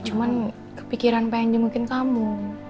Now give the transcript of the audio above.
cuman kepikiran pengen nyemukin kamu